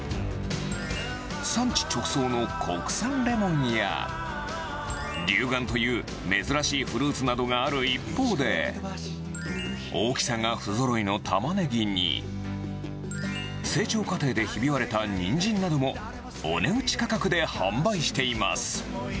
産地直送の国産レモンや、龍眼という珍しいフルーツなどがある一方で、大きさが不ぞろいのタマネギに、成長過程でひび割れたニンジンなども、お値打ち価格で販売しています。